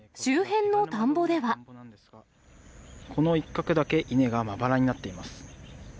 この一角だけ稲がまばらになっています。